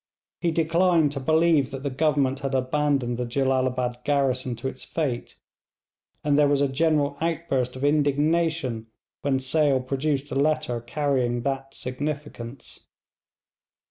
He declined to believe that the Government had abandoned the Jellalabad garrison to its fate, and there was a general outburst of indignation when Sale produced a letter carrying that significance.